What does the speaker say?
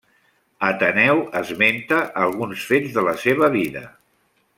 Ateneu esmenta alguns fets de la seva vida.